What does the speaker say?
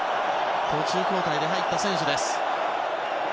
途中交代で入った選手です。